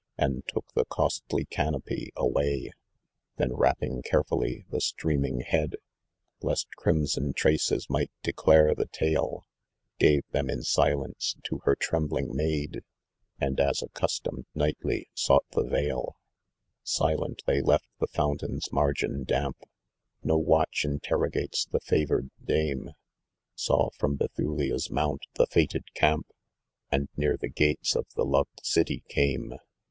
And took the costly canopy away. Then wrapping carefully the streaming head, I^st crimson traces might declare the tale, Gave them in silence to her trembling maid, And as accustomed, nightly, sought the vale. Silent they left the fountain'a margin damp, Ko watch interrogates the savoured dame, Saw from Bethulia's mount the lined camp, And near the gates of the loved city came.